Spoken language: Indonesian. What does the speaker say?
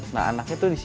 nah anaknya tuh disini